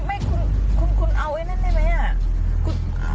ไม่คุณคุณเอาไอ้นั่นได้ไหมอ่ะ